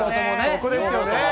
そこですよね。